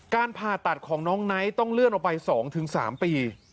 การผ่าตัดของน้องไนท์ต้องเลื่อนออกไปสองถึงสามปี